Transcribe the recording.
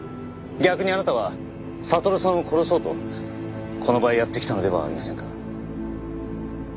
逆にあなたは悟さんを殺そうとこの場へやって来たのではありませんか？